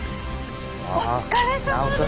お疲れさまでした！